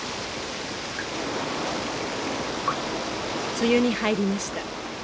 梅雨に入りました。